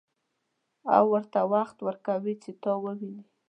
او ورته وخت ورکوي چې تا وويني.